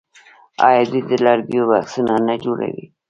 آیا دوی د لرګیو بکسونه نه جوړوي؟